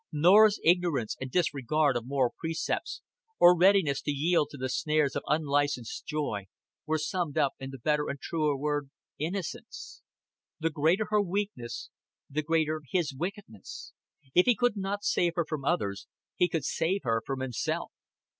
Norah's ignorance and disregard of moral precepts, or readiness to yield to the snares of unlicensed joy, were summed up in the better and truer word innocence. The greater her weakness, the greater his wickedness. If he could not save her from others, he could save her from himself.